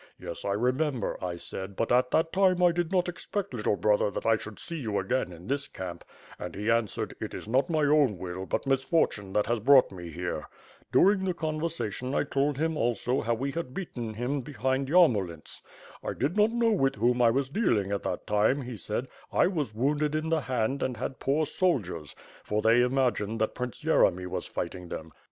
'Yes, I remember,' I said, 'but at that time I did not expect, little brother, that I should see you again in this camp,' and he answered, 'It is not my own will, but misfortune that has brought me here.' During the con versation I told him also how we had beaten him behind Yarmolints. 'I did not know with whom I was dealing at that time,' he said, 'I was wounded in the hand and had poor soldiers; for they imagined that Prince Yeremy was fighting WITH FIRE AND SWORD. t^yc^ them.'